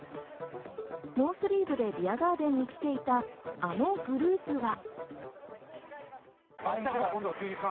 ノースリーブでビアガーデンに来ていたあのグループは。